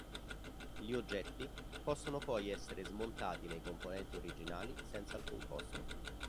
Gli oggetti possono poi essere smontati nei componenti originali senza alcun costo.